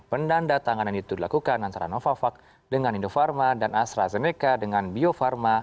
pendanda tanganan itu dilakukan antara novavax dengan indofarma dan astrazeneca dengan bio farma